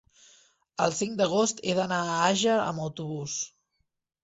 el cinc d'agost he d'anar a Àger amb autobús.